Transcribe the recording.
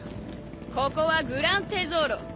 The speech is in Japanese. ここはグラン・テゾーロ。